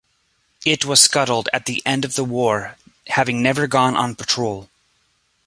It was scuttled at the end of the war, having never gone on patrol.